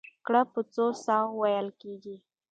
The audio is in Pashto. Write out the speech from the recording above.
ګړه په څو ساه وو وېل کېږي؟